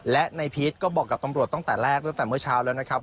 และในพีชก็บอกกับตำรวจตั้งแต่แรกตั้งแต่เมื่อเช้าแล้วนะครับ